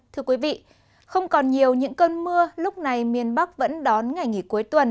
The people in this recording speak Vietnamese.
thưa quý vị không còn nhiều những cơn mưa lúc này miền bắc vẫn đón ngày nghỉ cuối tuần